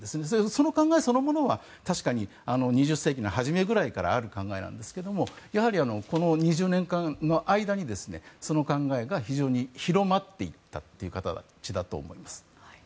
その考えそのものは確かに２０世紀の初めぐらいからある考えなんですがやはりこの２０年の間にその考えが非常に広まっていったという形だと思います。